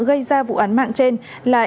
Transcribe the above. gây ra vụ án mạng trên là